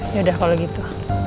yaudah kalo gitu